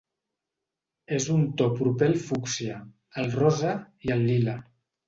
És un to proper al fúcsia, al rosa i al lila.